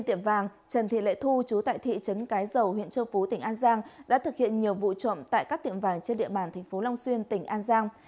trần thị lệ thu chú tại thị trấn cái dầu huyện châu phú tỉnh an giang đã thực hiện nhiều vụ trộm tại các tiệm vàng trên địa bàn tp long xuyên tỉnh an giang